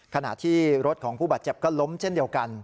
ขณะที่รถของผู้บาดเจ็บก็ล้มเช่นเดียวกัน